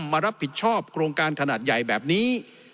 มารับผิดชอบโครงการขนาดใหญ่แบบนี้